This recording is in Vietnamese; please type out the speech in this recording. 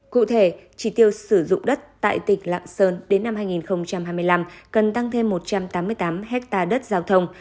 cụ thể chỉ tiêu sử dụng đất tại tỉnh lạng sơn đến năm hai nghìn hai mươi năm cần tăng thêm một trăm tám mươi tám ha đất giao thông